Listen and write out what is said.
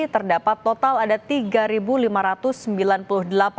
terdapat total ada tiga warga